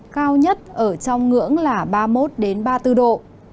cao nhất ở trong ngưỡng là ba mươi một ba mươi bốn độ